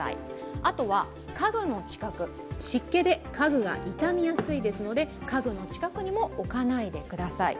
あとは家具の近く、湿気で家具がいたみやすいですので、家具の近くにも置かないでください。